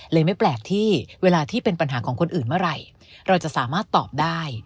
ไม่แปลกที่เวลาที่เป็นปัญหาของคนอื่นเมื่อไหร่เราจะสามารถตอบได้